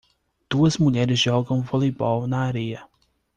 Duas mulheres jogam voleibol na areia.